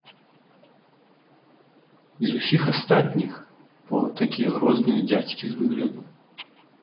І з усіх астатніх, бо такія грозныя дзядзькі з выгляду.